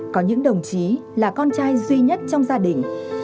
có những đồng chí là con trai duy nhất trong gia đình